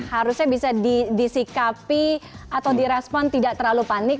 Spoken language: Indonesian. harusnya bisa disikapi atau direspon tidak terlalu panik